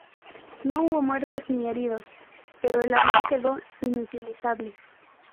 No hubo muertos ni heridos, pero el avión quedó inutilizable.